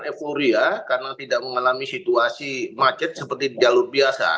euforia karena tidak mengalami situasi macet seperti di jalur biasa